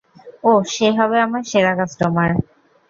ওহ, সে হবে আমার সেরা কাস্টোমার।